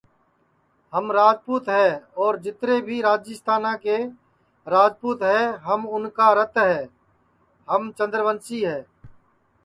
ہم راجپوت ہے اور جیتر بھی راجیستانا کے راجپوت ہے ہم اُن کے رت ہے ہم چندوسی ہے